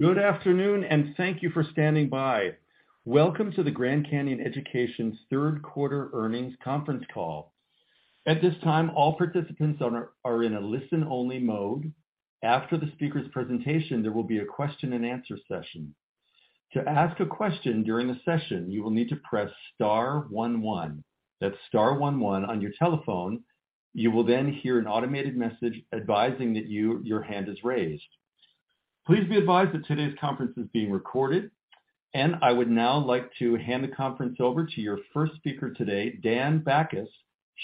Good afternoon, and thank you for standing by. Welcome to the Grand Canyon Education's Third Quarter Earnings Conference Call. At this time, all participants are in a listen-only mode. After the speaker's presentation, there will be a question-and-answer session. To ask a question during the session, you will need to press star one one. That's star one one on your telephone. You will then hear an automated message advising that your hand is raised. Please be advised that today's conference is being recorded. I would now like to hand the conference over to your first speaker today, Dan Bachus,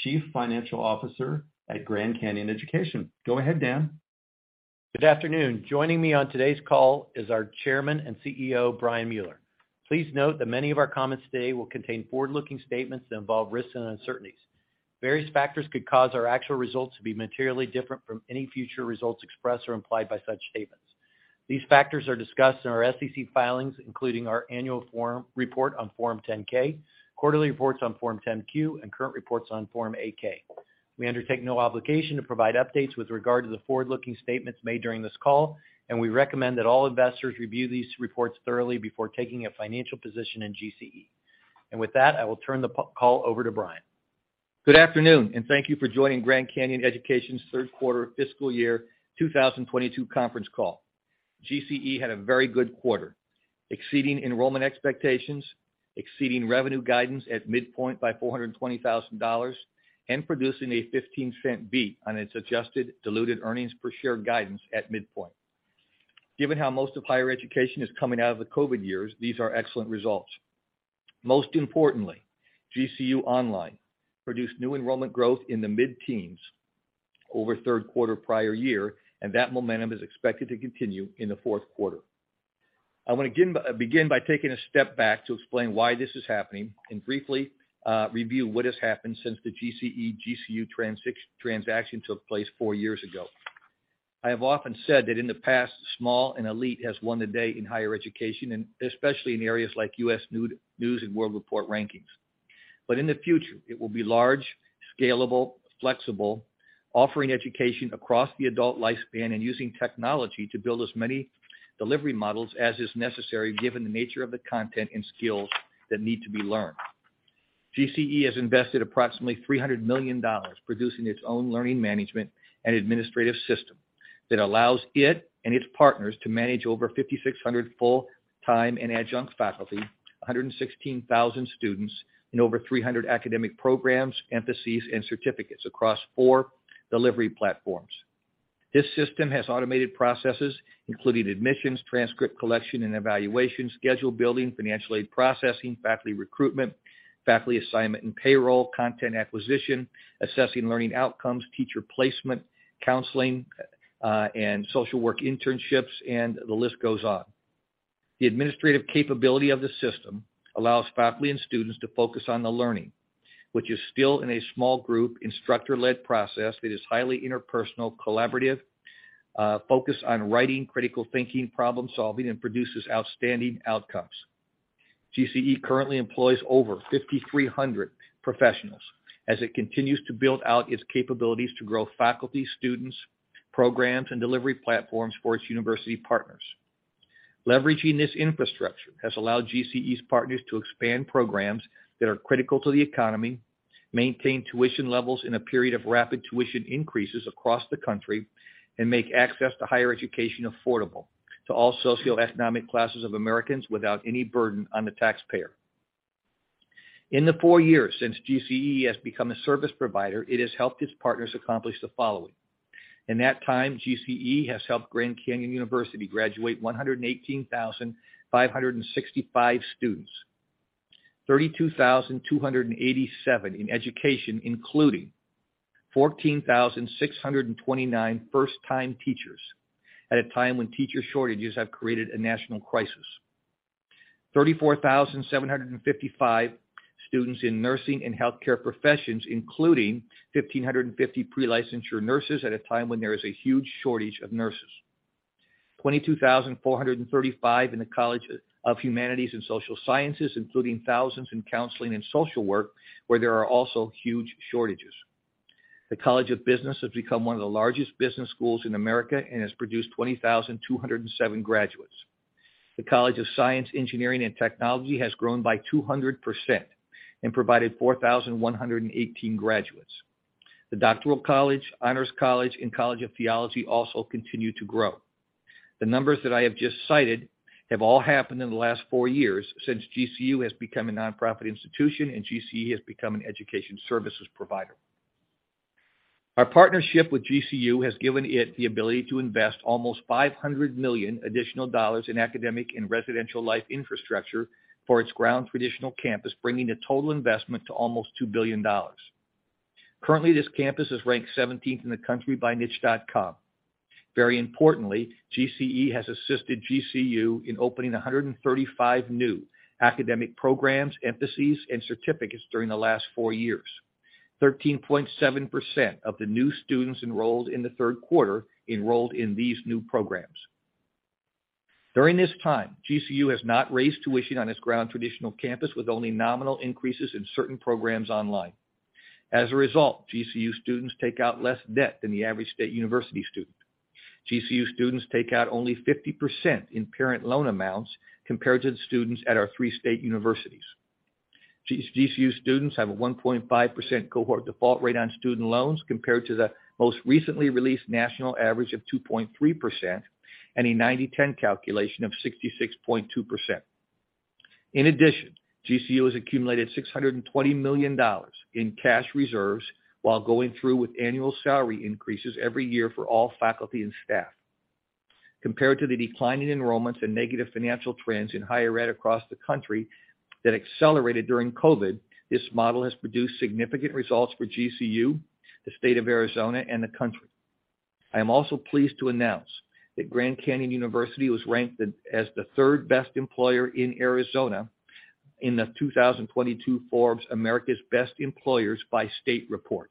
Chief Financial Officer at Grand Canyon Education. Go ahead, Dan. Good afternoon. Joining me on today's call is our Chairman and CEO, Brian Mueller. Please note that many of our comments today will contain forward-looking statements that involve risks and uncertainties. Various factors could cause our actual results to be materially different from any future results expressed or implied by such statements. These factors are discussed in our SEC filings, including our annual report on Form 10-K, quarterly reports on Form 10-Q, and current reports on Form 8-K. We undertake no obligation to provide updates with regard to the forward-looking statements made during this call, and we recommend that all investors review these reports thoroughly before taking a financial position in GCE. With that, I will turn the call over to Brian. Good afternoon, and thank you for joining Grand Canyon Education's third quarter fiscal year 2022 conference call. GCE had a very good quarter, exceeding enrollment expectations, exceeding revenue guidance at midpoint by $420,000, and producing a $0.15 beat on its adjusted diluted earnings per share guidance at midpoint. Given how most of higher education is coming out of the COVID years, these are excellent results. Most importantly, GCU Online produced new enrollment growth in the mid-teens over third quarter prior year, and that momentum is expected to continue in the fourth quarter. I wanna begin by taking a step back to explain why this is happening and briefly review what has happened since the GCE GCU transaction took place 4 years ago. I have often said that in the past, small and elite has won the day in higher education, and especially in areas like U.S. News & World Report rankings. In the future, it will be large, scalable, flexible, offering education across the adult lifespan and using technology to build as many delivery models as is necessary given the nature of the content and skills that need to be learned. GCE has invested approximately $300 million producing its own learning management and administrative system that allows it and its partners to manage over 5,600 full-time and adjunct faculty, 116,000 students in over 300 academic programs, emphases, and certificates across four delivery platforms. This system has automated processes, including admissions, transcript collection and evaluation, schedule building, financial aid processing, faculty recruitment, faculty assignment and payroll, content acquisition, assessing learning outcomes, teacher placement, counseling, and social work internships, and the list goes on. The administrative capability of the system allows faculty and students to focus on the learning, which is still in a small group, instructor-led process that is highly interpersonal, collaborative, focused on writing, critical thinking, problem-solving, and produces outstanding outcomes. GCE currently employs over 5,300 professionals as it continues to build out its capabilities to grow faculty, students, programs, and delivery platforms for its university partners. Leveraging this infrastructure has allowed GCE's partners to expand programs that are critical to the economy, maintain tuition levels in a period of rapid tuition increases across the country, and make access to higher education affordable to all socioeconomic classes of Americans without any burden on the taxpayer. In the four years since GCE has become a service provider, it has helped its partners accomplish the following. In that time, GCE has helped Grand Canyon University graduate 118,565 students. 32,287 in education, including 14,629 first-time teachers at a time when teacher shortages have created a national crisis. 34,755 students in nursing and healthcare professions, including 1,550 pre-licensure nurses at a time when there is a huge shortage of nurses. 22,435 in the College of Humanities and Social Sciences, including thousands in counseling and social work, where there are also huge shortages. The College of Business has become one of the largest business schools in America and has produced 20,207 graduates. The College of Science, Engineering, and Technology has grown by 200% and provided 4,118 graduates. The Doctoral College, Honors College, and College of Theology also continue to grow. The numbers that I have just cited have all happened in the last four years since GCU has become a nonprofit institution and GCE has become an education services provider. Our partnership with GCU has given it the ability to invest almost $500 million additional dollars in academic and residential life infrastructure for its ground traditional campus, bringing a total investment to almost $2 billion. Currently, this campus is ranked 17th in the country by Niche.com. Very importantly, GCE has assisted GCU in opening 135 new academic programs, emphases, and certificates during the last four years. 13.7% of the new students enrolled in the third quarter enrolled in these new programs. During this time, GCU has not raised tuition on its ground traditional campus with only nominal increases in certain programs online. As a result, GCU students take out less debt than the average state university student. GCU students take out only 50% in parent loan amounts compared to the students at our three state universities. GCU students have a 1.5% cohort default rate on student loans compared to the most recently released national average of 2.3%, and a 90/10 calculation of 66.2%. In addition, GCU has accumulated $620 million in cash reserves while going through with annual salary increases every year for all faculty and staff. Compared to the decline in enrollments and negative financial trends in higher ed across the country that accelerated during COVID, this model has produced significant results for GCU, the state of Arizona, and the country. I am also pleased to announce that Grand Canyon University was ranked as the third best employer in Arizona in the 2022 Forbes America's Best Employers by State report.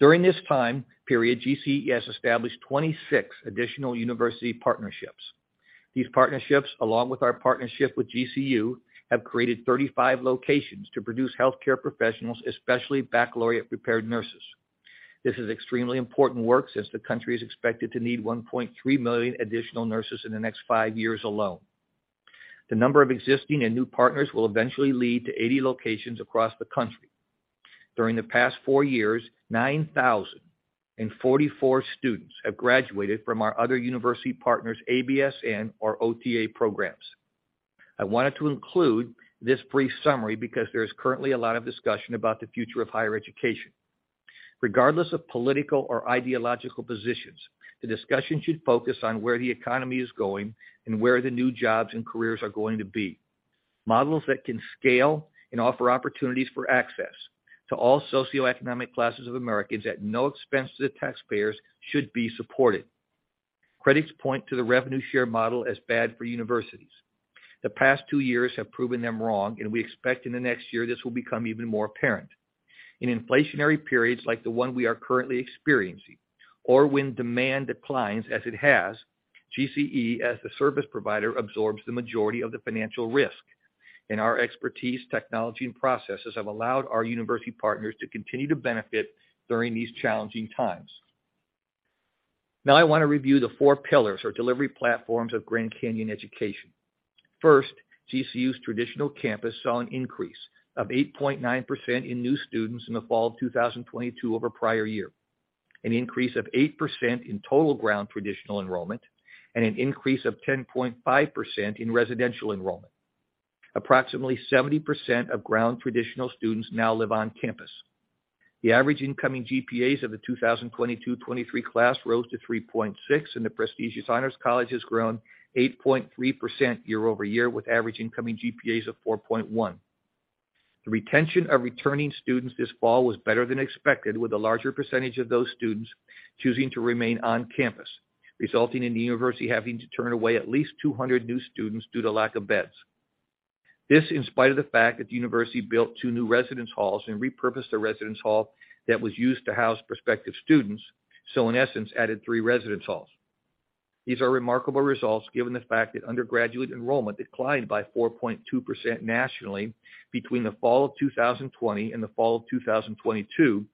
During this time period, GCE has established 26 additional university partnerships. These partnerships, along with our partnership with GCU, have created 35 locations to produce healthcare professionals, especially baccalaureate-prepared nurses. This is extremely important work since the country is expected to need 1.3 million additional nurses in the next five years alone. The number of existing and new partners will eventually lead to 80 locations across the country. During the past four years, 9,044 students have graduated from our other university partners ABSN or OTA programs. I wanted to include this brief summary because there is currently a lot of discussion about the future of higher education. Regardless of political or ideological positions, the discussion should focus on where the economy is going and where the new jobs and careers are going to be. Models that can scale and offer opportunities for access to all socioeconomic classes of Americans at no expense to the taxpayers should be supported. Critics point to the revenue share model as bad for universities. The past two years have proven them wrong, and we expect in the next year this will become even more apparent. In inflationary periods like the one we are currently experiencing, or when demand declines as it has, GCE, as the service provider, absorbs the majority of the financial risk, and our expertise, technology, and processes have allowed our university partners to continue to benefit during these challenging times. Now I wanna review the four pillars or delivery platforms of Grand Canyon Education. First, GCU's traditional campus saw an increase of 8.9% in new students in the fall of 2022 over prior year, an increase of 8% in total ground traditional enrollment, and an increase of 10.5% in residential enrollment. Approximately 70% of ground traditional students now live on campus. The average incoming GPAs of the 2022/2023 class rose to 3.6, and the prestigious Honors College has grown 8.3% year-over-year, with average incoming GPAs of 4.1. The retention of returning students this fall was better than expected, with a larger percentage of those students choosing to remain on campus, resulting in the university having to turn away at least 200 new students due to lack of beds. This in spite of the fact that the university built two new residence halls and repurposed a residence hall that was used to house prospective students, so in essence, added three residence halls. These are remarkable results, given the fact that undergraduate enrollment declined by 4.2% nationally between the fall of 2020 and the fall of 2022,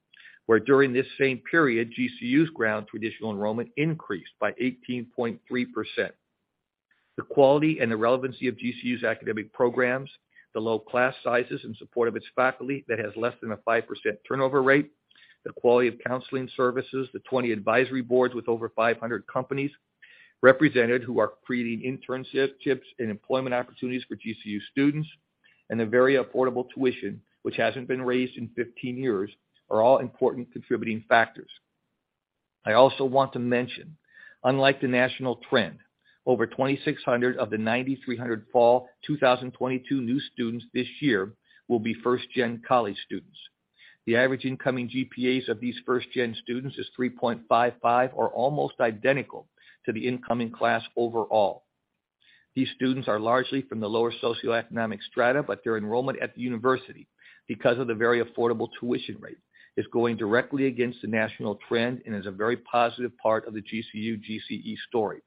where during this same period, GCU's ground traditional enrollment increased by 18.3%. The quality and the relevancy of GCU's academic programs, the low class sizes in support of its faculty that has less than a 5% turnover rate, the quality of counseling services, the 20 advisory boards with over 500 companies represented who are creating internships and employment opportunities for GCU students, and a very affordable tuition, which hasn't been raised in 15 years, are all important contributing factors. I also want to mention, unlike the national trend, over 2,600 of the 9,300 fall 2022 new students this year will be first-gen college students. The average incoming GPAs of these first-gen students is 3.55, or almost identical to the incoming class overall. These students are largely from the lower socioeconomic strata, but their enrollment at the university, because of the very affordable tuition rate, is going directly against the national trend and is a very positive part of the GCU/GCE story.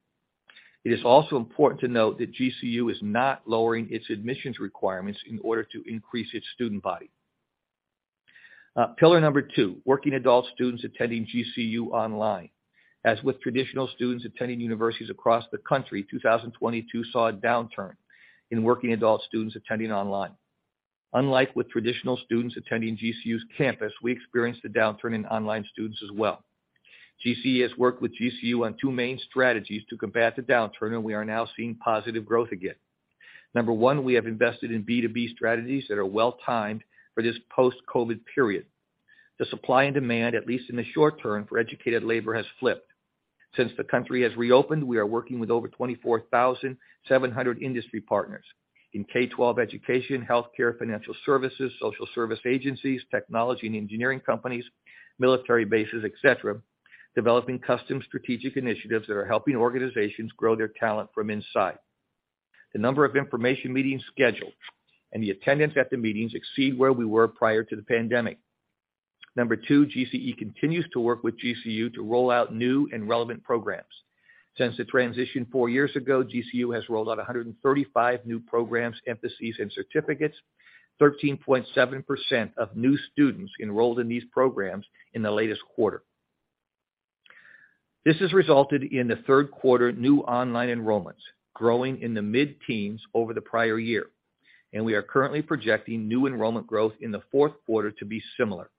It is also important to note that GCU is not lowering its admissions requirements in order to increase its student body. Pillar number two, working adult students attending GCU online. As with traditional students attending universities across the country, 2022 saw a downturn in working adult students attending online. Unlike with traditional students attending GCU's campus, we experienced a downturn in online students as well. GCE has worked with GCU on two main strategies to combat the downturn, and we are now seeing positive growth again. Number one, we have invested in B2B strategies that are well-timed for this post-COVID period. The supply and demand, at least in the short term, for educated labor has flipped. Since the country has reopened, we are working with over 24,700 industry partners in K12 education, healthcare, financial services, social service agencies, technology and engineering companies, military bases, et cetera, developing custom strategic initiatives that are helping organizations grow their talent from inside. The number of information meetings scheduled and the attendance at the meetings exceed where we were prior to the pandemic. Number two, GCE continues to work with GCU to roll out new and relevant programs. Since the transition four years ago, GCU has rolled out 135 new programs, emphases, and certificates. 13.7% of new students enrolled in these programs in the latest quarter. This has resulted in the third quarter new online enrollments growing in the mid-teens over the prior year, and we are currently projecting new enrollment growth in the fourth quarter to be similar.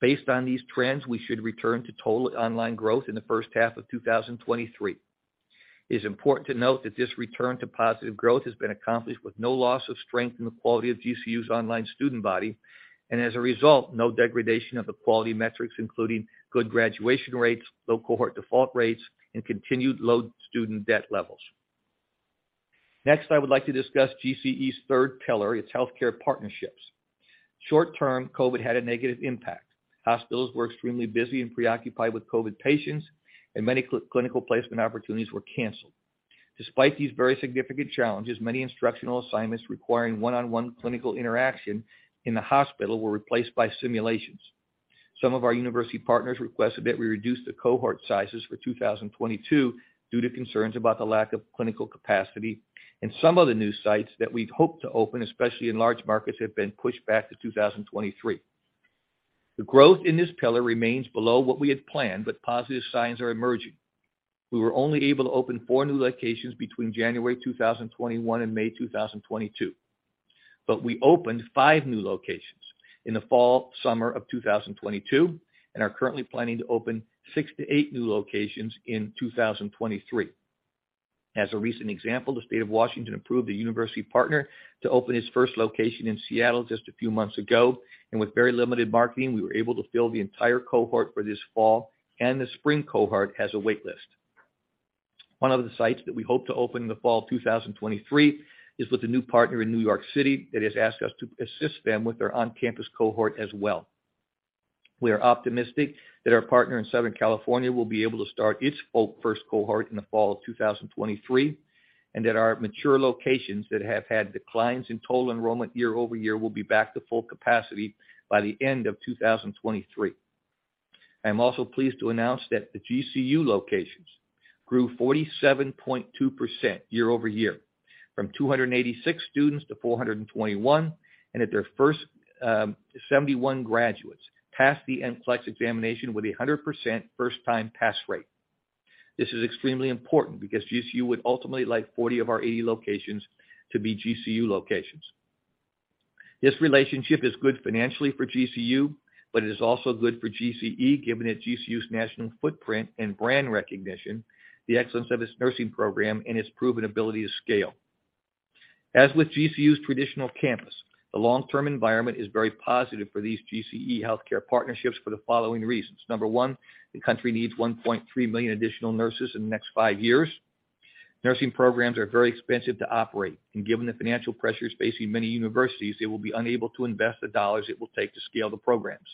Based on these trends, we should return to total online growth in the first half of 2023. It is important to note that this return to positive growth has been accomplished with no loss of strength in the quality of GCU's online student body, and as a result, no degradation of the quality metrics, including good graduation rates, low cohort default rates, and continued low student debt levels. Next, I would like to discuss GCE's third pillar, its healthcare partnerships. Short-term, COVID had a negative impact. Hospitals were extremely busy and preoccupied with COVID patients, and many clinical placement opportunities were canceled. Despite these very significant challenges, many instructional assignments requiring one-on-one clinical interaction in the hospital were replaced by simulations. Some of our university partners requested that we reduce the cohort sizes for 2022 due to concerns about the lack of clinical capacity. Some of the new sites that we'd hoped to open, especially in large markets, have been pushed back to 2023. The growth in this pillar remains below what we had planned, but positive signs are emerging. We were only able to open 4 new locations between January 2021 and May 2022. We opened five new locations in the fall/summer of 2022, and are currently planning to open six to eight new locations in 2023. As a recent example, the State of Washington approved a university partner to open its first location in Seattle just a few months ago, and with very limited marketing, we were able to fill the entire cohort for this fall, and the spring cohort has a wait list. One of the sites that we hope to open in the fall of 2023 is with a new partner in New York City that has asked us to assist them with their on-campus cohort as well. We are optimistic that our partner in Southern California will be able to start its first cohort in the fall of 2023, and that our mature locations that have had declines in total enrollment year-over-year will be back to full capacity by the end of 2023. I'm also pleased to announce that the GCU locations grew 47.2% year-over-year from 286 students to 421, and that their first 71 graduates passed the NCLEX examination with a 100% first time pass rate. This is extremely important because GCU would ultimately like 40 of our 80 locations to be GCU locations. This relationship is good financially for GCU, but it is also good for GCE, given that GCU's national footprint and brand recognition, the excellence of its nursing program, and its proven ability to scale. As with GCU's traditional campus, the long-term environment is very positive for these GCE healthcare partnerships for the following reasons. Number one, the country needs 1.3 million additional nurses in the next five years. Nursing programs are very expensive to operate, and given the financial pressures facing many universities, they will be unable to invest the dollars it will take to scale the programs.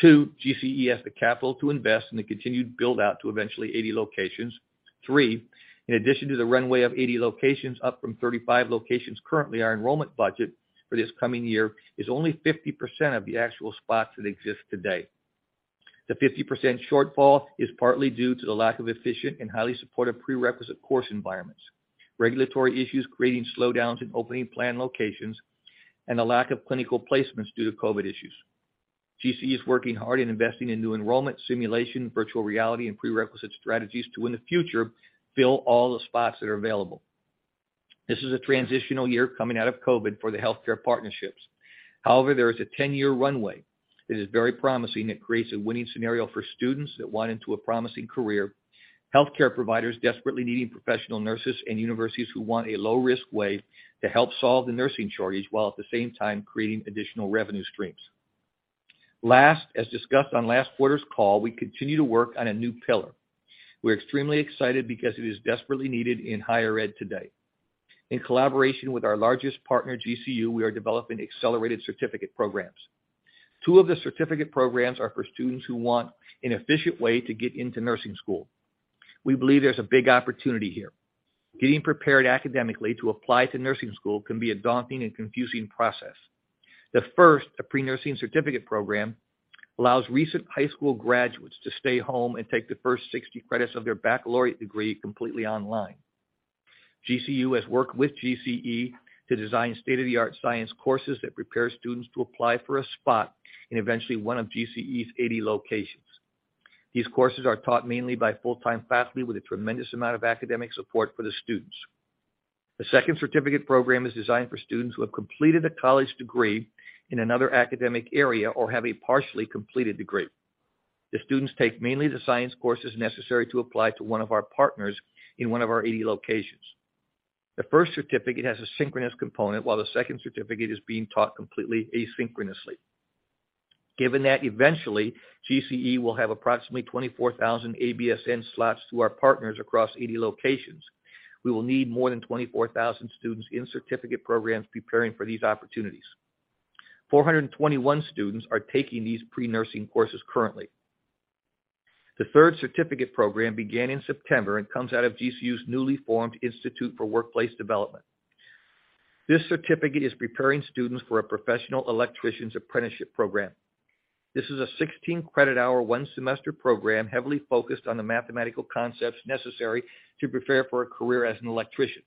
Two, GCE has the capital to invest in the continued build-out to eventually 80 locations. Three, in addition to the runway of 80 locations, up from 35 locations currently, our enrollment budget for this coming year is only 50% of the actual spots that exist today. The 50% shortfall is partly due to the lack of efficient and highly supportive prerequisite course environments, regulatory issues creating slowdowns in opening planned locations, and a lack of clinical placements due to COVID issues. GCE is working hard in investing in new enrollment, simulation, virtual reality, and prerequisite strategies to, in the future, fill all the spots that are available. This is a transitional year coming out of COVID for the healthcare partnerships. However, there is a 10-year runway that is very promising and creates a winning scenario for students that want into a promising career, healthcare providers desperately needing professional nurses, and universities who want a low-risk way to help solve the nursing shortage while at the same time creating additional revenue streams. Last, as discussed on last quarter's call, we continue to work on a new pillar. We're extremely excited because it is desperately needed in higher ed today. In collaboration with our largest partner, GCU, we are developing accelerated certificate programs. Two of the certificate programs are for students who want an efficient way to get into nursing school. We believe there's a big opportunity here. Getting prepared academically to apply to nursing school can be a daunting and confusing process. The first, a pre-nursing certificate program, allows recent high school graduates to stay home and take the first 60 credits of their baccalaureate degree completely online. GCU has worked with GCE to design state-of-the-art science courses that prepare students to apply for a spot in eventually one of GCE's 80 locations. These courses are taught mainly by full-time faculty with a tremendous amount of academic support for the students. The second certificate program is designed for students who have completed a college degree in another academic area or have a partially completed degree. The students take mainly the science courses necessary to apply to one of our partners in one of our 80 locations. The first certificate has a synchronous component, while the second certificate is being taught completely asynchronously. Given that eventually GCE will have approximately 24,000 ABSN slots through our partners across 80 locations, we will need more than 24,000 students in certificate programs preparing for these opportunities. 421 students are taking these pre-nursing courses currently. The third certificate program began in September and comes out of GCU's newly formed Institute for Workforce Development. This certificate is preparing students for a professional electrician's apprenticeship program. This is a 16 credit hour, one semester program, heavily focused on the mathematical concepts necessary to prepare for a career as an electrician.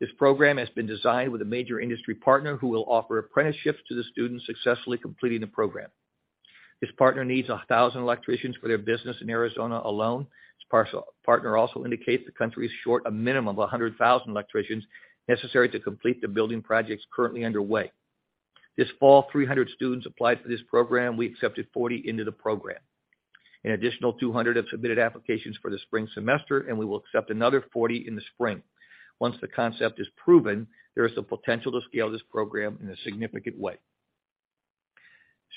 This program has been designed with a major industry partner who will offer apprenticeships to the students successfully completing the program. This partner needs 1,000 electricians for their business in Arizona alone. This partner also indicates the country is short a minimum of 100,000 electricians necessary to complete the building projects currently underway. This fall, 300 students applied for this program. We accepted 40 into the program. An additional 200 have submitted applications for the spring semester, and we will accept another 40 in the spring. Once the concept is proven, there is the potential to scale this program in a significant way.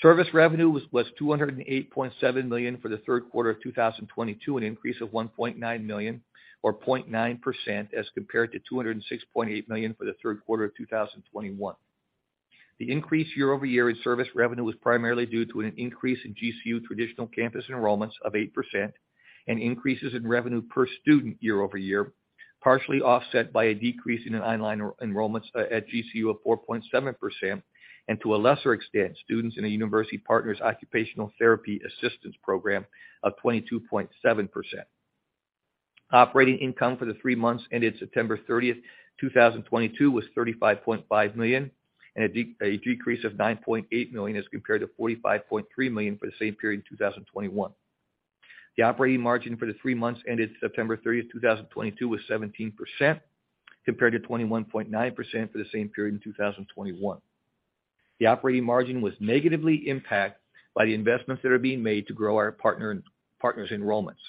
Service revenue was $208.7 million for the third quarter of 2022, an increase of $1.9 million, or 0.9% as compared to $206.8 million for the third quarter of 2021. The increase year over year in service revenue was primarily due to an increase in GCU traditional campus enrollments of 8% and increases in revenue per student year over year, partially offset by a decrease in online enrollments at GCU of 4.7%, and to a lesser extent, students in a university partner's occupational therapy assistant program of 22.7%. Operating income for the three months ended September 30, 2022 was $35.5 million, a decrease of $9.8 million as compared to $45.3 million for the same period in 2021. The operating margin for the three months ended September 30, 2022 was 17% compared to 21.9% for the same period in 2021. The operating margin was negatively impacted by the investments that are being made to grow our partner's enrollments.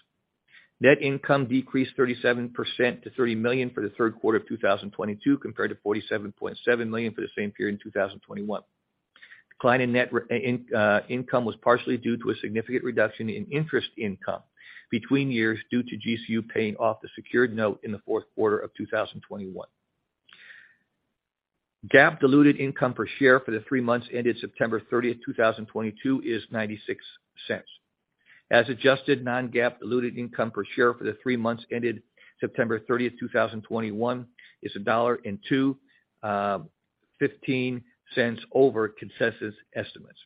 Net income decreased 37% to $30 million for the third quarter of 2022, compared to $47.7 million for the same period in 2021. Decline in net income was partially due to a significant reduction in interest income between years due to GCU paying off the secured note in the fourth quarter of 2021. GAAP diluted income per share for the three months ended September 30, 2022 is $0.96. As adjusted, non-GAAP diluted income per share for the three months ended September 30, 2022 is $1 two $0.15 over consensus estimates.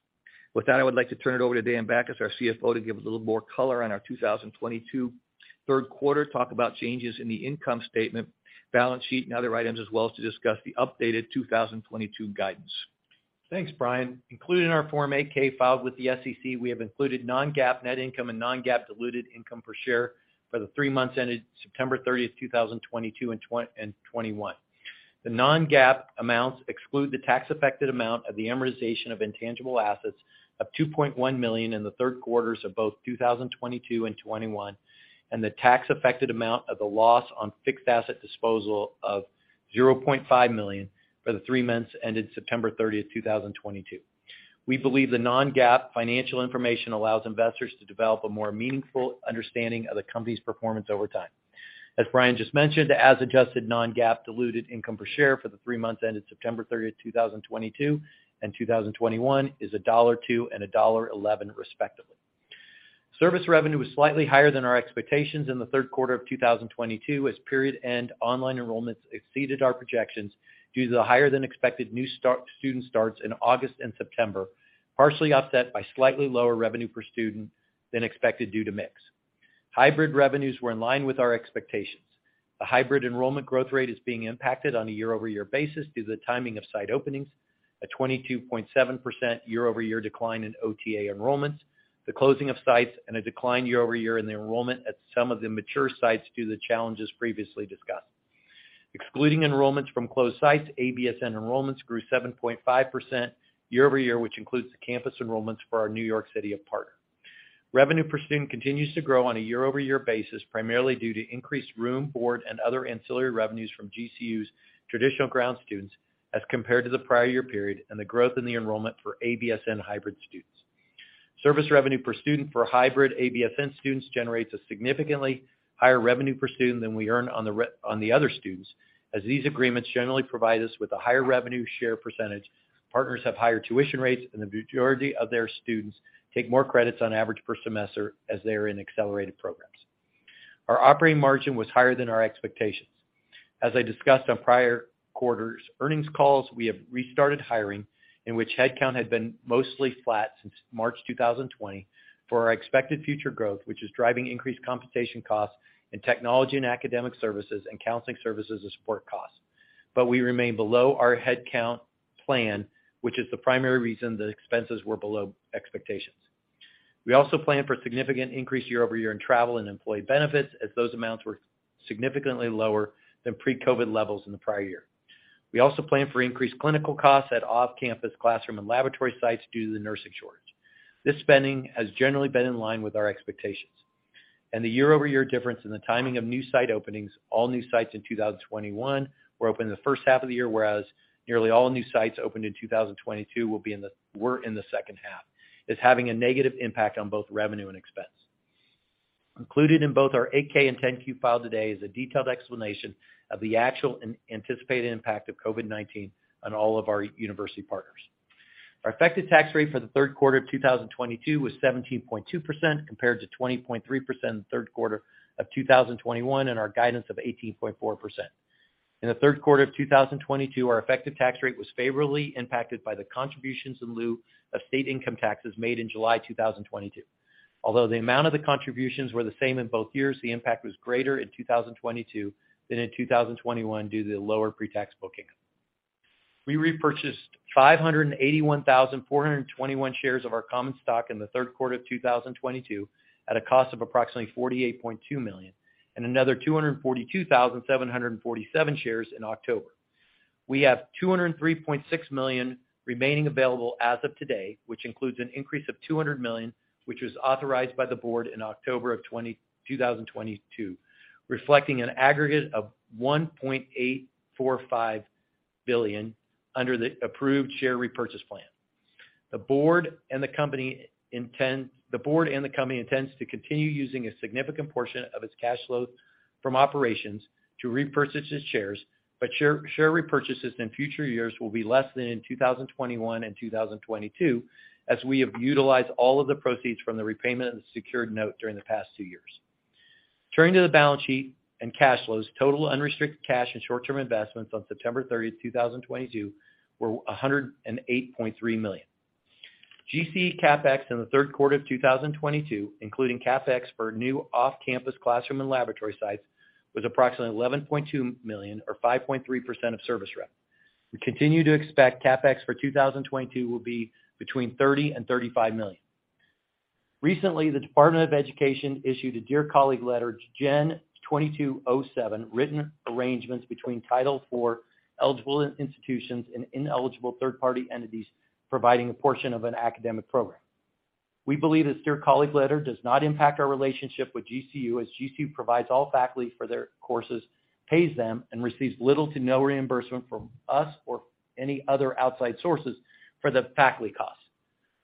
With that, I would like to turn it over to Dan Bachus, our CFO, to give a little more color on our 2022 third quarter, talk about changes in the income statement, balance sheet, and other items, as well as to discuss the updated 2022 guidance. Thanks, Brian. Included in our Form 8-K filed with the SEC, we have included non-GAAP net income and non-GAAP diluted income per share for the three months ended September 30, 2022 and 2021. The non-GAAP amounts exclude the tax affected amount of the amortization of intangible assets of $2.1 million in the third quarters of both 2022 and 2021, and the tax affected amount of the loss on fixed asset disposal of $0.5 million for the three months ended September 30, 2022. We believe the non-GAAP financial information allows investors to develop a more meaningful understanding of the company's performance over time. As Brian just mentioned, the as adjusted non-GAAP diluted income per share for the three months ended September 30, 2022 and 2021 is $1.02 and $1.11, respectively. Service revenue was slightly higher than our expectations in the third quarter of 2022 as period end online enrollments exceeded our projections due to the higher than expected new student starts in August and September, partially offset by slightly lower revenue per student than expected due to mix. Hybrid revenues were in line with our expectations. The hybrid enrollment growth rate is being impacted on a year-over-year basis due to the timing of site openings, a 22.7% year-over-year decline in OTA enrollments, the closing of sites, and a decline year-over-year in the enrollment at some of the mature sites due to the challenges previously discussed. Excluding enrollments from closed sites, ABSN enrollments grew 7.5% year-over-year, which includes the campus enrollments for our New York City partner. Revenue per student continues to grow on a year-over-year basis, primarily due to increased room, board, and other ancillary revenues from GCU's traditional ground students as compared to the prior year period and the growth in the enrollment for ABSN hybrid students. Service revenue per student for hybrid ABSN students generates a significantly higher revenue per student than we earn on the other students, as these agreements generally provide us with a higher revenue share percentage. Partners have higher tuition rates, and the majority of their students take more credits on average per semester as they are in accelerated programs. Our operating margin was higher than our expectations. As I discussed on prior quarters earnings calls, we have restarted hiring, in which headcount had been mostly flat since March 2020 for our expected future growth, which is driving increased compensation costs in technology and academic services and counseling services as support costs. We remain below our headcount plan, which is the primary reason the expenses were below expectations. We also plan for significant increase year-over-year in travel and employee benefits as those amounts were significantly lower than pre-COVID levels in the prior year. We also plan for increased clinical costs at off-campus classroom and laboratory sites due to the nursing shortage. This spending has generally been in line with our expectations. The year-over-year difference in the timing of new site openings, all new sites in 2021 were opened in the first half of the year, whereas nearly all new sites opened in 2022 were in the second half, is having a negative impact on both revenue and expense. Included in both our 8-K and 10-Q filed today is a detailed explanation of the actual and anticipated impact of COVID-19 on all of our university partners. Our effective tax rate for the third quarter of 2022 was 17.2% compared to 20.3% in the third quarter of 2021 and our guidance of 18.4%. In the third quarter of 2022, our effective tax rate was favorably impacted by the contributions in lieu of state income taxes made in July 2022. Although the amount of the contributions were the same in both years, the impact was greater in 2022 than in 2021 due to the lower pre-tax booking. We repurchased 581,421 shares of our common stock in the third quarter of 2022 at a cost of approximately $48.2 million and another 242,747 shares in October. We have $203.6 million remaining available as of today, which includes an increase of $200 million, which was authorized by the board in October 2022, reflecting an aggregate of $1.845 billion under the approved share repurchase plan. The board and the company intends to continue using a significant portion of its cash flows from operations to repurchase its shares, but share repurchases in future years will be less than in 2021 and 2022, as we have utilized all of the proceeds from the repayment of the secured note during the past two years. Turning to the balance sheet and cash flows, total unrestricted cash and short-term investments on September 30, 2022 were $108.3 million. GCE CapEx in the third quarter of 2022, including CapEx for new off-campus classroom and laboratory sites, was approximately $11.2 million or 5.3% of service revenue. We continue to expect CapEx for 2022 will be between $30 million and $35 million. Recently, the Department of Education issued a Dear Colleague letter, GEN-22-07, written arrangements between Title IV eligible institutions and ineligible third-party entities providing a portion of an academic program. We believe this Dear Colleague letter does not impact our relationship with GCU, as GCU provides all faculty for their courses, pays them, and receives little to no reimbursement from us or any other outside sources for the faculty costs.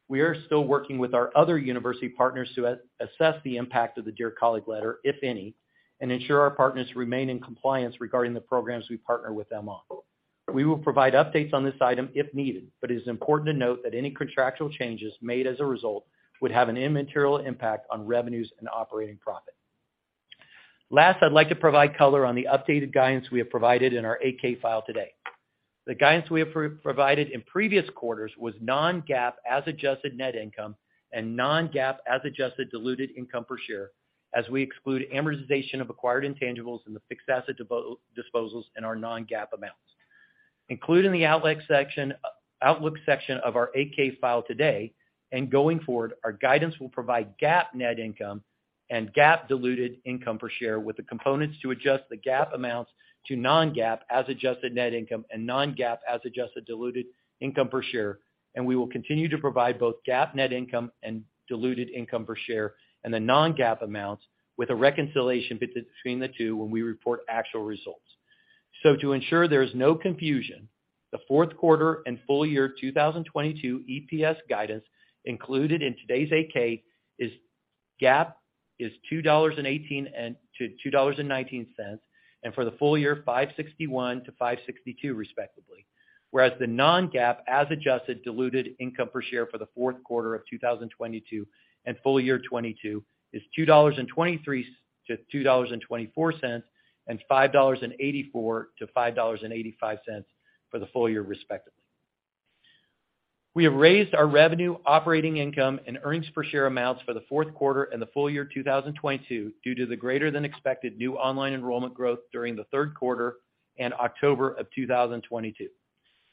We are still working with our other university partners to assess the impact of the Dear Colleague letter, if any, and ensure our partners remain in compliance regarding the programs we partner with them on. We will provide updates on this item if needed, but it is important to note that any contractual changes made as a result would have an immaterial impact on revenues and operating profit. Last, I'd like to provide color on the updated guidance we have provided in our 8-K file today. The guidance we have provided in previous quarters was non-GAAP as adjusted net income and non-GAAP as adjusted diluted income per share, as we exclude amortization of acquired intangibles in the fixed asset disposals in our non-GAAP amounts. Included in the outlook section of our 8-K file today and going forward, our guidance will provide GAAP net income and GAAP diluted income per share with the components to adjust the GAAP amounts to non-GAAP as adjusted net income and non-GAAP as adjusted diluted income per share. We will continue to provide both GAAP net income and diluted income per share and the non-GAAP amounts with a reconciliation between the two when we report actual results. To ensure there is no confusion, the fourth quarter and full year 2022 EPS guidance included in today's 8-K is GAAP $2.18-$2.19, and for the full year, $5.61-$5.62 respectively. Whereas the non-GAAP as adjusted diluted income per share for the fourth quarter of 2022 and full year 2022 is $2.23-$2.24, and $5.84-$5.85 for the full year respectively. We have raised our revenue, operating income, and earnings per share amounts for the fourth quarter and the full year 2022 due to the greater than expected new online enrollment growth during the third quarter and October of 2022.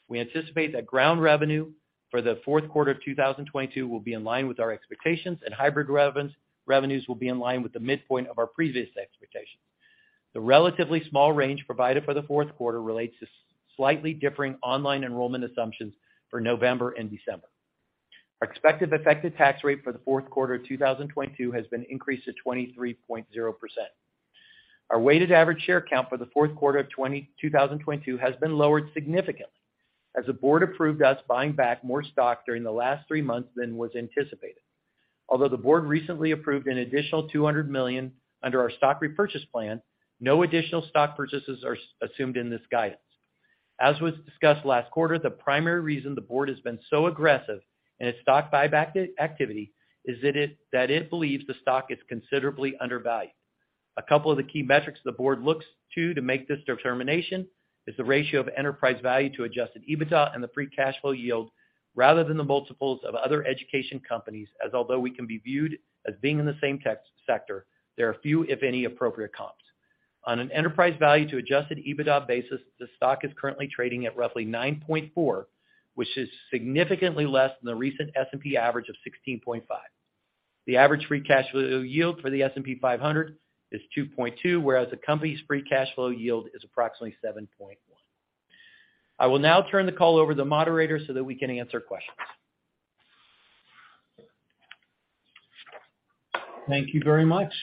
We anticipate that ground revenue for the fourth quarter of 2022 will be in line with our expectations and hybrid revenues will be in line with the midpoint of our previous expectations. The relatively small range provided for the fourth quarter relates to slightly differing online enrollment assumptions for November and December. Our expected effective tax rate for the fourth quarter of 2022 has been increased to 23.0%. Our weighted average share count for the fourth quarter of 2022 has been lowered significantly as the board approved us buying back more stock during the last three months than was anticipated. Although the board recently approved an additional $200 million under our stock repurchase plan, no additional stock purchases are assumed in this guidance. As was discussed last quarter, the primary reason the board has been so aggressive in its stock buyback activity is that it believes the stock is considerably undervalued. A couple of the key metrics the board looks to make this determination is the ratio of enterprise value to Adjusted EBITDA and the free cash flow yield rather than the multiples of other education companies, as although we can be viewed as being in the same tech sector, there are few, if any, appropriate comps. On an enterprise value to Adjusted EBITDA basis, the stock is currently trading at roughly 9.4, which is significantly less than the recent S&P average of 16.5. The average free cash flow yield for the S&P 500 is 2.2%, whereas the company's free cash flow yield is approximately 7.1%. I will now turn the call over to the moderator so that we can answer questions. Thank you very much.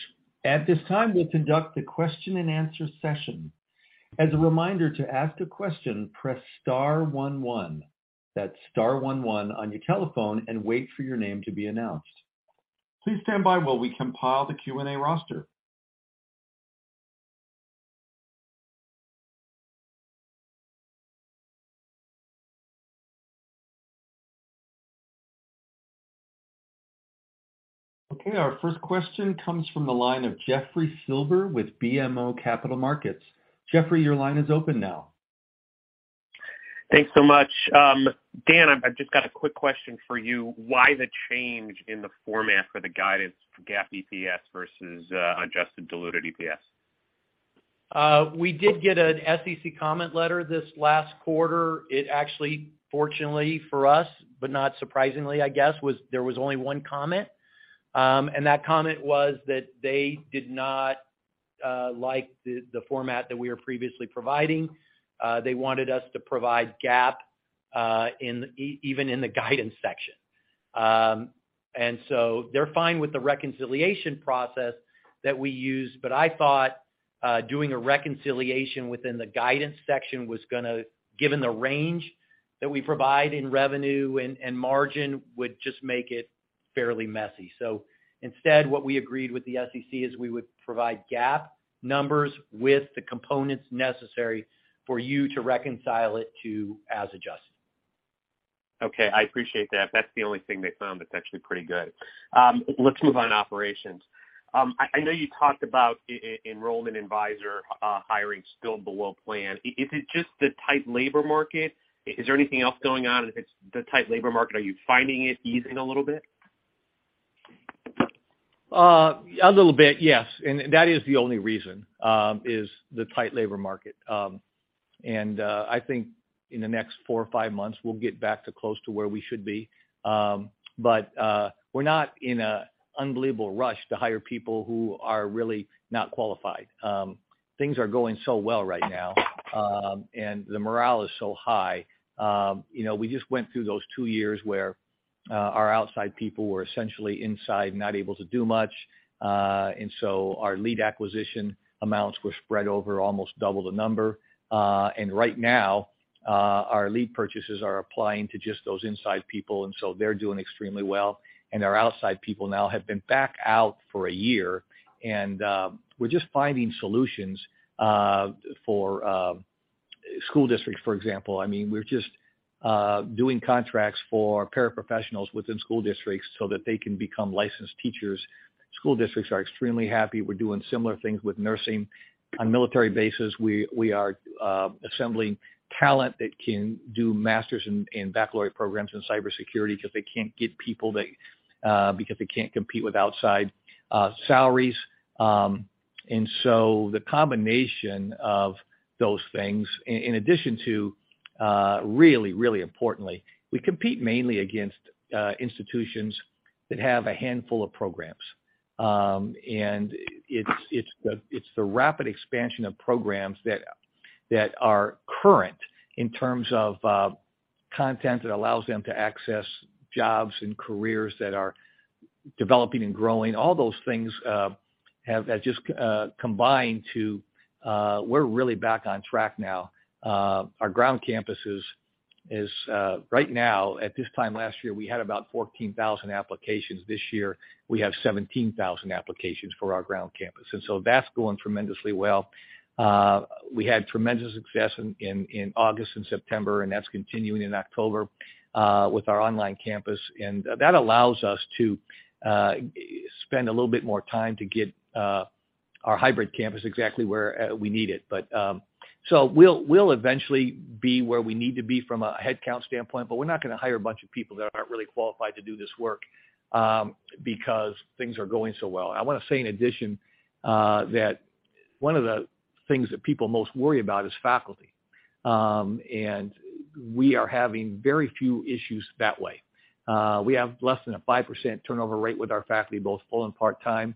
At this time, we'll conduct the question and answer session. As a reminder, to ask a question, press star one one. That's star one one on your telephone and wait for your name to be announced. Please stand by while we compile the Q&A roster. Okay, our first question comes from the line of Jeffrey Silber with BMO Capital Markets. Jeffrey, your line is open now. Thanks so much. Dan, I've just got a quick question for you. Why the change in the format for the guidance for GAAP EPS versus adjusted diluted EPS? We did get an SEC comment letter this last quarter. It actually, fortunately for us, but not surprisingly, I guess, was only one comment. That comment was that they did not like the format that we were previously providing. They wanted us to provide GAAP even in the guidance section. They're fine with the reconciliation process that we use, but I thought doing a reconciliation within the guidance section was gonna, given the range that we provide in revenue and margin, would just make it fairly messy. Instead, what we agreed with the SEC is we would provide GAAP numbers with the components necessary for you to reconcile it to as adjusted. Okay. I appreciate that. That's the only thing they found that's actually pretty good. Let's move on to operations. I know you talked about enrollment advisor hiring still below plan. Is it just the tight labor market? Is there anything else going on? If it's the tight labor market, are you finding it easing a little bit? A little bit, yes. That is the only reason is the tight labor market. I think in the next four or five months, we'll get back to close to where we should be. We're not in an unbelievable rush to hire people who are really not qualified. Things are going so well right now, and the morale is so high. You know, we just went through those two years where our outside people were essentially inside, not able to do much. Our lead acquisition amounts were spread over almost double the number. Right now, our lead purchases are applying to just those inside people, and so they're doing extremely well. Our outside people now have been back out for a year, and we're just finding solutions for school districts, for example. I mean, we're just doing contracts for paraprofessionals within school districts so that they can become licensed teachers. School districts are extremely happy. We're doing similar things with nursing. On military bases, we are assembling talent that can do master's and baccalaureate programs in cybersecurity because they can't get people because they can't compete with outside salaries. The combination of those things, in addition to really importantly, we compete mainly against institutions that have a handful of programs. It's the rapid expansion of programs that are current in terms of content that allows them to access jobs and careers that are developing and growing. All those things have just combined. We're really back on track now. Our ground campus is right now. At this time last year, we had about 14,000 applications. This year, we have 17,000 applications for our ground campus. That's going tremendously well. We had tremendous success in August and September, and that's continuing in October with our online campus. That allows us to spend a little bit more time to get our hybrid campus exactly where we need it. We'll eventually be where we need to be from a headcount standpoint, but we're not gonna hire a bunch of people that aren't really qualified to do this work because things are going so well. I wanna say in addition, that one of the things that people most worry about is faculty. We are having very few issues that way. We have less than a 5% turnover rate with our faculty, both full and part-time.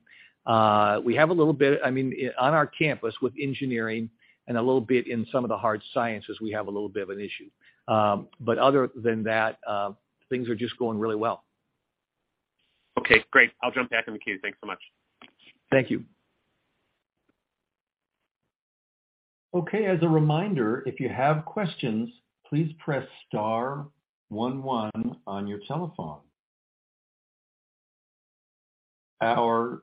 We have a little bit, I mean, on our campus with engineering and a little bit in some of the hard sciences, we have a little bit of an issue. Other than that, things are just going really well. Okay, great. I'll jump back in the queue. Thanks so much. Thank you. Okay. As a reminder, if you have questions, please press star one one on your telephone. Our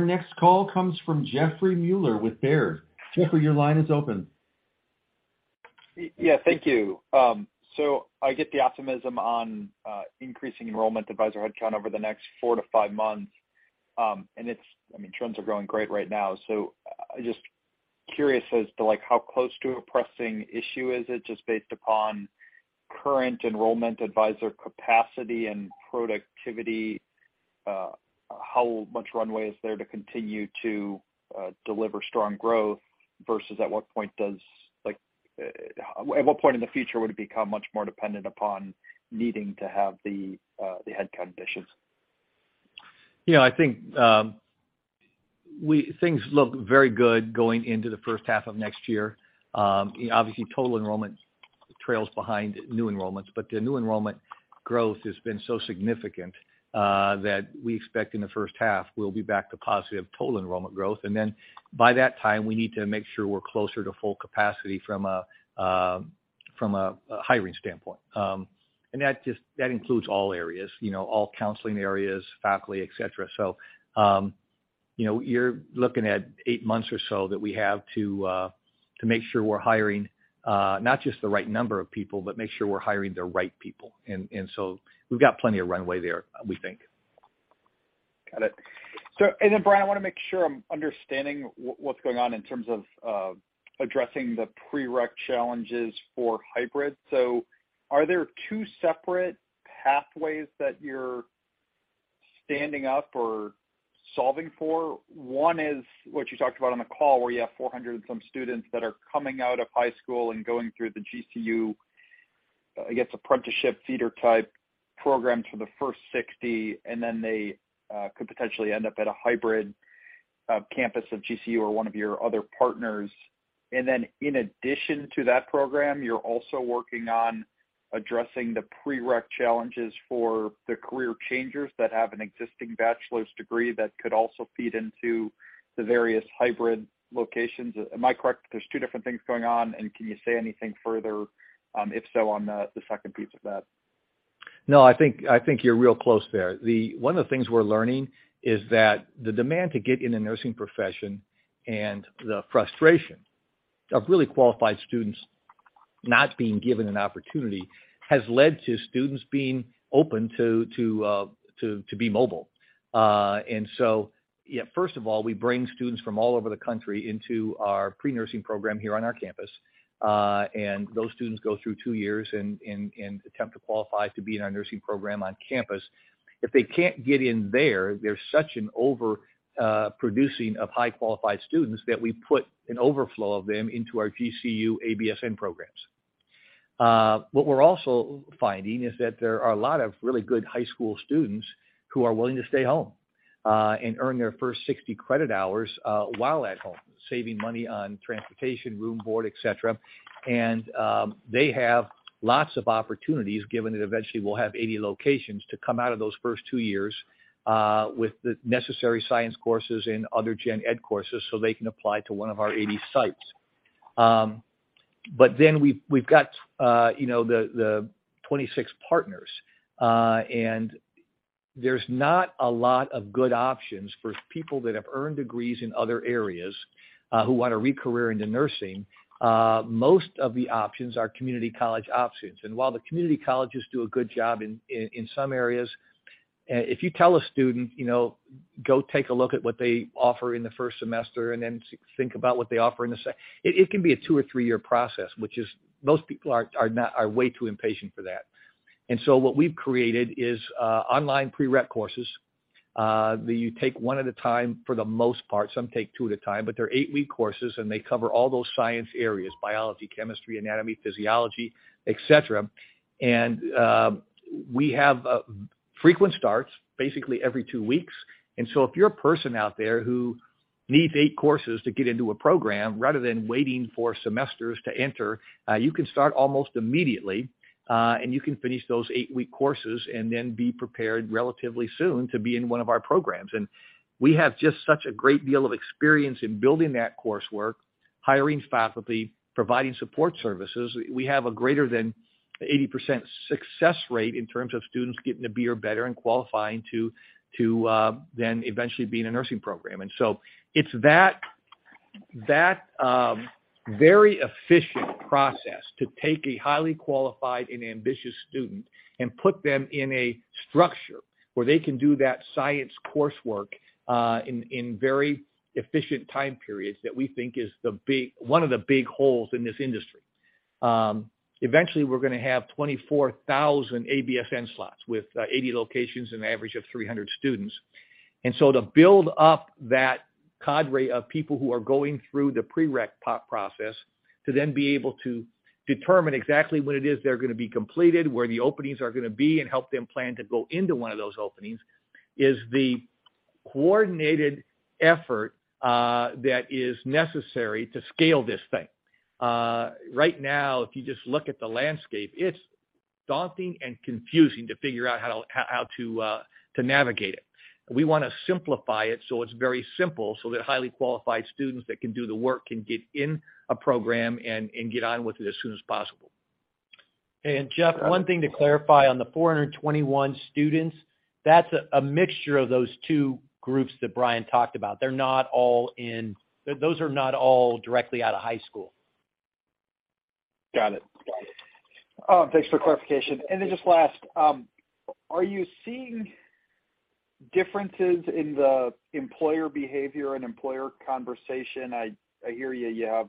next call comes from Jeffrey Meuler with Baird. Jeffrey, your line is open. Yeah, thank you. I get the optimism on increasing enrollment advisor headcount over the next four to five months. I mean, trends are growing great right now. I'm just curious as to, like, how close to a pressing issue is it, just based upon current enrollment, advisor capacity and productivity, how much runway is there to continue to deliver strong growth versus at what point in the future would it become much more dependent upon needing to have the headcount additions? You know, I think things look very good going into the first half of next year. Obviously, total enrollment trails behind new enrollments, but the new enrollment growth has been so significant that we expect in the first half we'll be back to positive total enrollment growth. Then by that time, we need to make sure we're closer to full capacity from a hiring standpoint. And that just includes all areas, you know, all counseling areas, faculty, et cetera. So you know, you're looking at eight months or so that we have to make sure we're hiring not just the right number of people, but make sure we're hiring the right people. And so we've got plenty of runway there, we think. Got it. Brian, I wanna make sure I'm understanding what's going on in terms of addressing the pre-req challenges for hybrid. Are there two separate pathways that you're standing up or solving for? One is what you talked about on the call, where you have 400 and some students that are coming out of high school and going through the GCU, I guess, apprenticeship feeder type program for the first 60, and then they could potentially end up at a hybrid campus of GCU or one of your other partners. In addition to that program, you're also working on addressing the pre-req challenges for the career changers that have an existing bachelor's degree that could also feed into the various hybrid locations. Am I correct that there's two different things going on, and can you say anything further on the second piece of that? No, I think you're real close there. One of the things we're learning is that the demand to get in the nursing profession and the frustration of really qualified students not being given an opportunity has led to students being open to be mobile. Yeah, first of all, we bring students from all over the country into our pre-nursing program here on our campus. Those students go through two years and attempt to qualify to be in our nursing program on campus. If they can't get in there's such an overproducing of highly qualified students that we put an overflow of them into our GCU ABSN programs. What we're also finding is that there are a lot of really good high school students who are willing to stay home and earn their first 60 credit hours while at home, saving money on transportation, room, board, et cetera. They have lots of opportunities, given that eventually we'll have 80 locations to come out of those first two years with the necessary science courses and other gen ed courses, so they can apply to one of our 80 sites. We've got you know, the 26 partners, and there's not a lot of good options for people that have earned degrees in other areas who want to re-career into nursing. Most of the options are community college options. While the community colleges do a good job in some areas, if you tell a student, you know, go take a look at what they offer in the first semester, and then think about what they offer in the second. It can be a two- or three-year process, which most people are way too impatient for that. What we've created is online pre-req courses that you take one at a time for the most part. Some take two at a time, but they're eight-week courses, and they cover all those science areas, biology, chemistry, anatomy, physiology, et cetera. We have frequent starts, basically every two weeks. If you're a person out there who needs eight courses to get into a program, rather than waiting for semesters to enter, you can start almost immediately, and you can finish those eight-week courses and then be prepared relatively soon to be in one of our programs. We have just such a great deal of experience in building that coursework, hiring faculty, providing support services. We have a greater than 80% success rate in terms of students getting a B or better and qualifying to then eventually be in a nursing program. It's that very efficient process to take a highly qualified and ambitious student and put them in a structure where they can do that science coursework in very efficient time periods that we think is the big, one of the big holes in this industry. Eventually we're gonna have 24,000 ABSN slots with 80 locations and average of 300 students. To build up that cadre of people who are going through the pre-req process, to then be able to determine exactly when it is they're gonna be completed, where the openings are gonna be, and help them plan to go into one of those openings, is the coordinated effort that is necessary to scale this thing. Right now, if you just look at the landscape, it's daunting and confusing to figure out how to navigate it. We wanna simplify it so it's very simple, so that highly qualified students that can do the work can get in a program and get on with it as soon as possible. Jeff, one thing to clarify on the 421 students, that's a mixture of those two groups that Brian talked about. They're not all. Those are not all directly out of high school. Got it. Thanks for the clarification. Just last, are you seeing differences in the employer behavior and employer conversation? I hear you have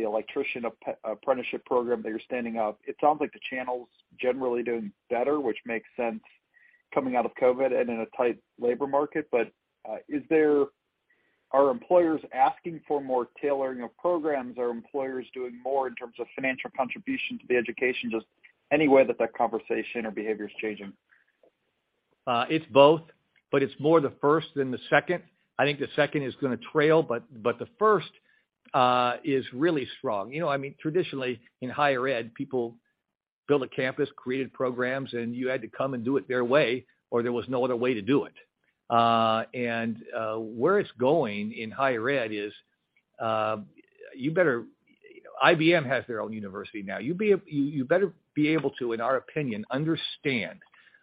the electrician apprenticeship program that you're standing up. It sounds like the channel's generally doing better, which makes sense coming out of COVID and in a tight labor market. Is there? Are employers asking for more tailoring of programs? Are employers doing more in terms of financial contribution to the education? Just any way that conversation or behavior is changing. It's both, but it's more the first than the second. I think the second is gonna trail, but the first is really strong. You know, I mean, traditionally in higher ed, people build a campus, created programs, and you had to come and do it their way, or there was no other way to do it. Where it's going in higher ed is, you know, IBM has their own university now. You better be able to, in our opinion, understand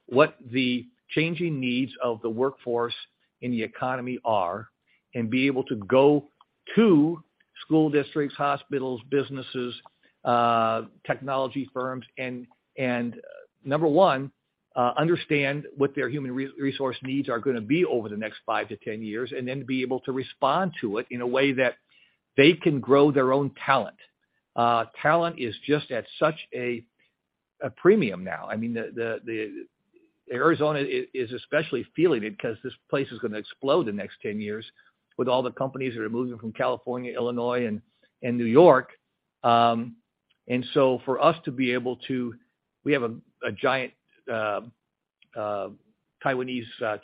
what the changing needs of the workforce in the economy are and be able to go to school districts, hospitals, businesses, technology firms, and number one, understand what their human resource needs are gonna be over the next five to 10 years, and then be able to respond to it in a way that they can grow their own talent. Talent is just at such a premium now. I mean, Arizona is especially feeling it 'cause this place is gonna explode the next 10 years with all the companies that are moving from California, Illinois, and New York. For us to be able to... We have a giant Taiwanese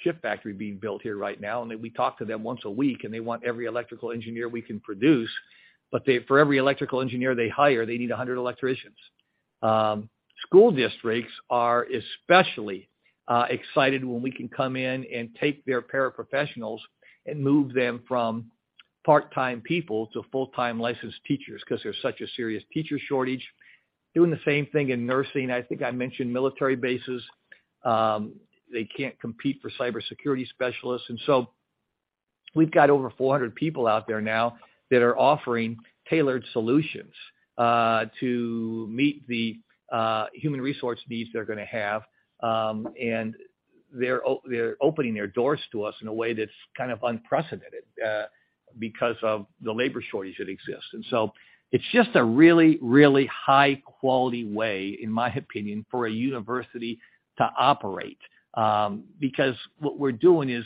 chip factory being built here right now, and we talk to them once a week, and they want every electrical engineer we can produce. For every electrical engineer they hire, they need 100 electricians. School districts are especially excited when we can come in and take their paraprofessionals and move them from part-time people to full-time licensed teachers 'cause there's such a serious teacher shortage. Doing the same thing in nursing. I think I mentioned military bases. They can't compete for cybersecurity specialists. We've got over 400 people out there now that are offering tailored solutions to meet the human resource needs they're gonna have. They're opening their doors to us in a way that's kind of unprecedented because of the labor shortage that exists. It's just a really, really high quality way, in my opinion, for a university to operate. Because what we're doing is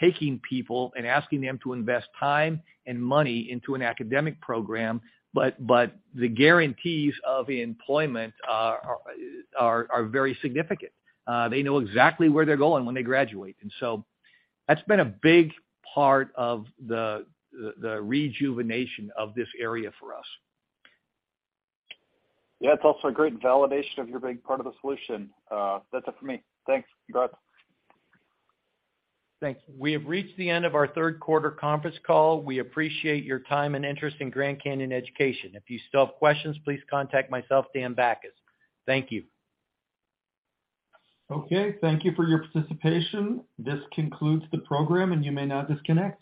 taking people and asking them to invest time and money into an academic program, but the guarantees of employment are very significant. They know exactly where they're going when they graduate. That's been a big part of the rejuvenation of this area for us. Yeah. It's also a great validation of your being part of the solution. That's it for me. Thanks. Goodbye. Thanks. We have reached the end of our third quarter conference call. We appreciate your time and interest in Grand Canyon Education. If you still have questions, please contact myself, Dan Bachus. Thank you. Okay, thank you for your participation. This concludes the program, and you may now disconnect.